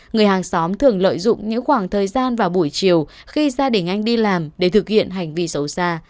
người hàng xóm thường lợi dụng những khoảng thời gian vào buổi chiều khi gia đình anh đi làm để thực hiện hành vi xấu xa